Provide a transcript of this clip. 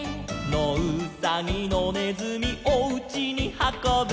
「のうさぎのねずみおうちにはこぶ」